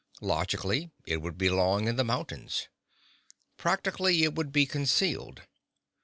Logically, it would belong in the mountains. Practically, it would be concealed.